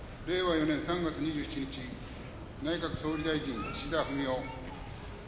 令和４年３月２７日内閣総理大臣岸田文雄